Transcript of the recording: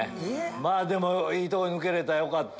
まぁでもいいとこで抜けれたよかった！